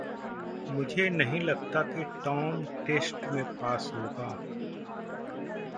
मुझे नहीं लगता कि टॉम टेस्ट में पास होगा।